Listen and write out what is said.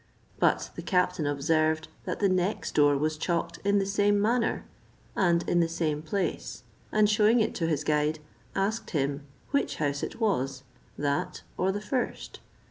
But the captain observed that the next door was chalked in the same manner, and in the same place; and shewing it to his guide, asked him which house it was, that, or the first?